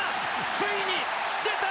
ついに出た！